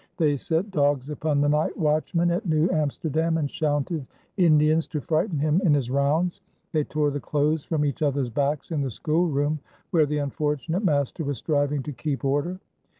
They set dogs upon the night watchman at New Amsterdam and shouted "Indians!" to frighten him in his rounds. They tore the clothes from each other's backs in the schoolroom where the unfortunate master was striving to keep order.